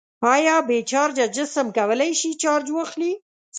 آیا بې چارجه جسم کولی شي چارج واخلي؟